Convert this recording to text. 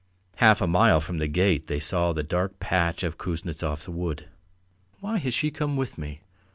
Half a mile from the gate they saw the dark patch of Kuznetsov's wood. "Why has she come with me?